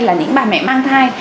là những bà mẹ mang thai